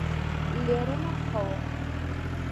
لێرە ناخەوم.